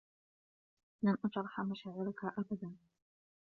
لن أجرح مشاعرك أبدا